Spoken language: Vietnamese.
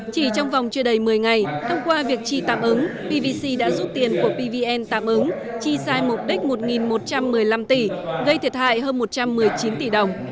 chỉ trong vòng chưa đầy một mươi ngày thông qua việc chi tạm ứng pvc đã rút tiền của pvn tạm ứng chi sai mục đích một một trăm một mươi năm tỷ gây thiệt hại hơn một trăm một mươi chín tỷ đồng